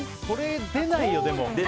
これ、出ないよ。